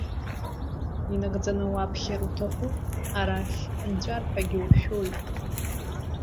Инагӡаны уаԥхьар уҭахуп, арахь инҵәарҳәагьы ушәоит.